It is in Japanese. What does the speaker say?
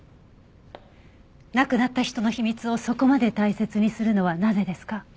亡くなった人の秘密をそこまで大切にするのはなぜですか？